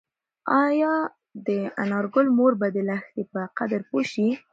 ایا د انارګل مور به د لښتې په قدر پوه شي؟